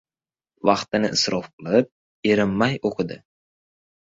Vaqtini isrof qilib, erinmay o‘qiydi.